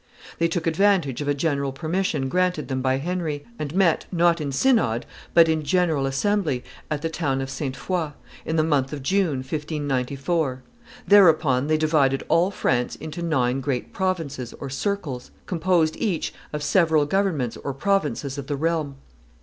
They took advantage of a general permission granted them by Henry, and met, not in synod, but in general assembly, at the town of Sainte Foy, in the month of June, 1594. Thereupon they divided all France into nine great provinces or circles, composed each of several governments or provinces of the realm.